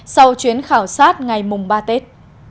sau chuyến khảo sát ngày mùng ba tết